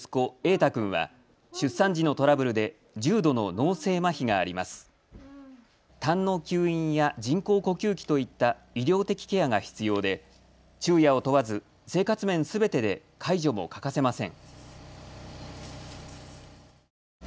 たんの吸引や人工呼吸器といった医療的ケアが必要で昼夜を問わず生活面すべてで介助も欠かせません。